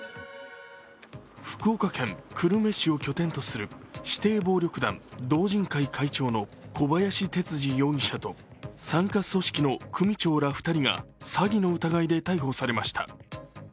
福岡県久留米市を拠点とする指定暴力団、道仁会会長の小林哲治容疑者と傘下組織の組長ら２人が詐欺の疑いで逮捕されました。